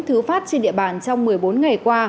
thứ phát trên địa bàn trong một mươi bốn ngày qua